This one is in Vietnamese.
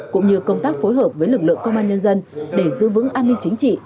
cũng như công tác phối hợp với lực lượng công an nhân dân để giữ vững an ninh chính trị